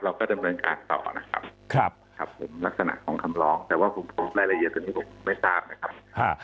เราก็จะบริเวณการต่อนะครับลักษณะของคำร้องแต่ว่าผมได้ละเอียดกันที่ผมไม่ทราบนะครับ